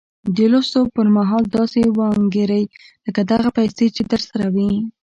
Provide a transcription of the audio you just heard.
د لوستو پر مهال داسې وانګيرئ لکه دغه پيسې چې درسره وي.